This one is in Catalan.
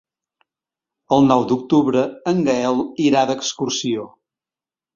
El nou d'octubre en Gaël irà d'excursió.